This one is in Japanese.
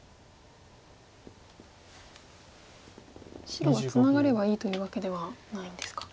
白はツナがればいいというわけではないんですか。